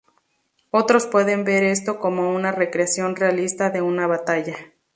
Otros pueden ver esto como una recreación realista de una batalla.